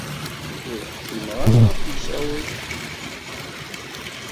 Ur ḥkimen ara ɣef Mesεud.